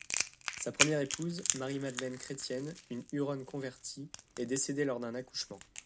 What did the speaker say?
Sa première épouse, Marie-Madeleine Chrétienne, une Huronne convertie, est décédée lors d'un accouchement.